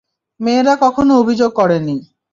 মেয়েরা কখনো অভিযোগ করেনি।